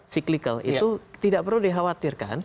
cyclical itu tidak perlu dikhawatirkan